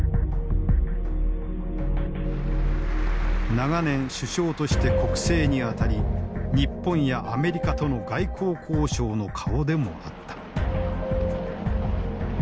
長年首相として国政にあたり日本やアメリカとの外交交渉の顔でもあった。